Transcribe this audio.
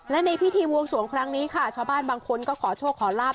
และในพิธีบวงสวงครั้งนี้ค่ะชาวบ้านบางคนก็ขอโชคขอลาบ